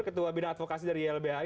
ketua bidang advokasi dari ylbhi